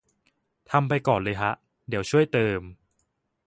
ทำไปก่อนเลยฮะ เดี๋ยวช่วยเติม